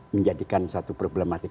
menjadikan satu problematik